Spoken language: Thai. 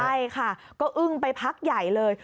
ใช่ค่ะก็อึ้งไปพักใหญ่เลย